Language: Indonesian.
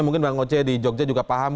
mungkin bang oce di jogja juga paham